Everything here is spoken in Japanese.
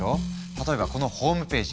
例えばこのホームページ。